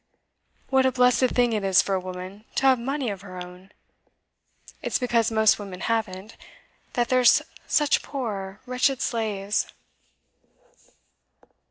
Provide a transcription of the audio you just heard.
What a blessed thing it is for a woman to have money of her own! It's because most women haven't, that they're such poor, wretched slaves.